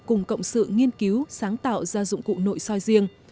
cùng cộng sự nghiên cứu sáng tạo ra dụng cụ nội soi riêng